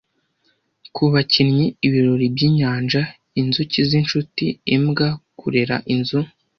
Ku bakinnyi, ibirori-byinyanja, inzuki zinshuti, imbwa , kurera inzu;